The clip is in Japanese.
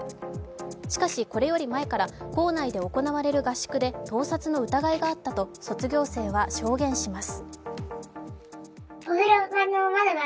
しかし、これより前から校内で行われる合宿で盗撮の疑いがあったと卒業生は証言します。